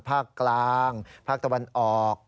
ภาคกลางภาคตะวันออก